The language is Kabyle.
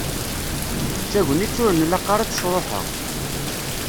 D tagnit ur nlaq ara ad tt-sruḥeɣ.